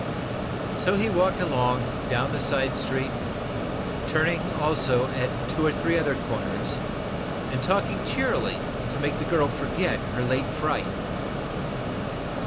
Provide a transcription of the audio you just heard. So he walked along, down the side street, turning, also, at two or three other corners, talking cheerily to make the girl forget her late fright.